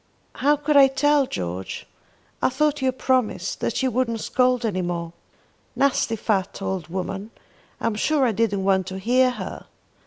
"How could I tell, George? I thought you had promised that you wouldn't scold any more. Nasty fat old woman! I'm sure I didn't want to hear her."